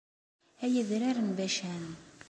Ay adrar n Bacan!